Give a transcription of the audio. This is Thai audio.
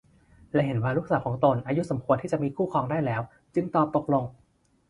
และเห็นว่าลูกสาวของตนอายุสมควรที่จะมีคู่ครองได้แล้วจึงตอบตกลง